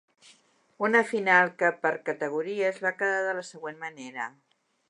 Una final que, per categories, va quedar de la següent manera.